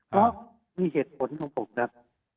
เพราะมีเหตุผลของผมครับ